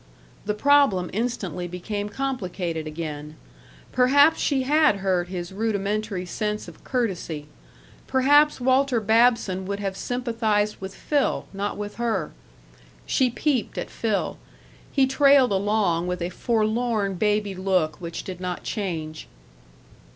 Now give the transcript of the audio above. The problem instantly became complicated again. Perhaps she had hurt his rudimentary sense of courtesy. Perhaps Walter Babson would have sympathized with Phil, not with her. She peeped at Phil. He trailed along with a forlorn baby look which did not change.